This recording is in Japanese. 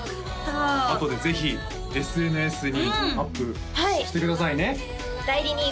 あとでぜひＳＮＳにアップしてくださいね代理人